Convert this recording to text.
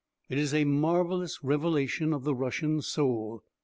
It is a marvellous revelation of the Russian soul.